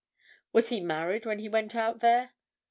"Was he married when he went out there?"